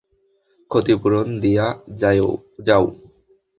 ক্ষতিপূরণ দিয়া যাও।